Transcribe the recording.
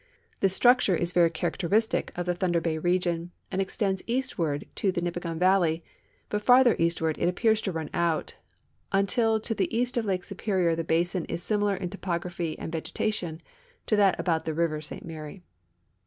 This structure is very characteristic of the Thunder bay region and extends eastward to the Nipigon valley, but farther eastward it appears to run out, until to the east of Lake Superior the basin is similar in topography and vegetation to that about the river St Mary.